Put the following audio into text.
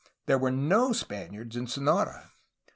There were no Spaniards in Sonora.